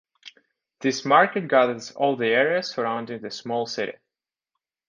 This market gathers all the areas surrounding the small city.